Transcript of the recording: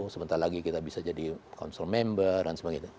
sebentar lagi kita bisa jadi council member dan sebagainya